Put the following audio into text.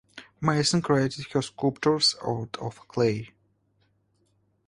Mason created her sculptures out of clay.